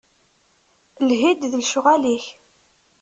Lhi-d d lecɣal-ik.